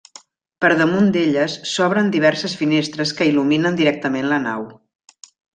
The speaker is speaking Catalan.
Per damunt d'elles s'obren diverses finestres que il·luminen directament la nau.